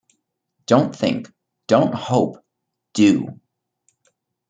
Don't think, don't hope, do!